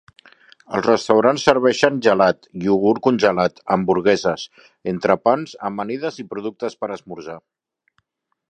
Els restaurants serveixen gelat, iogurt congelat, hamburgueses, entrepans, amanides i productes per esmorzar.